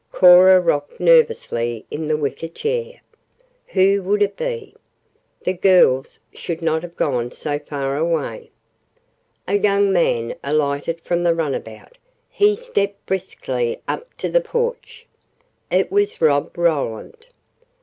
Cora rocked nervously in the wicker chair. Who would it be? The girls should not have gone so far away A young man alighted from the runabout. He stepped briskly up to the porch. It was Rob Roland.